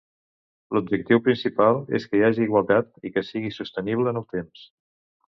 L'objectiu principal és que hi hagi igualtat i que sigui sostenible en el temps.